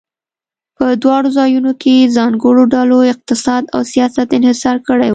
په دواړو ځایونو کې ځانګړو ډلو اقتصاد او سیاست انحصار کړی و.